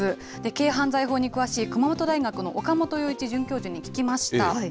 軽犯罪法に詳しい熊本大学の岡本洋一准教授に聞きました。